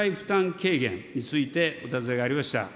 軽減についてお尋ねがありました。